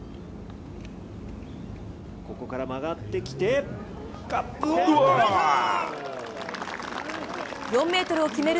ここから曲がってきてカップを捉えた！